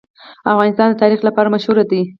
افغانستان د تاریخ لپاره مشهور دی.